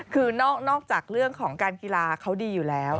คือนอกจากเรื่องของการกีฬาเขาดีอยู่แล้ว